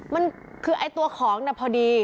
มันคือไอ้ตัวของน่ะพอดี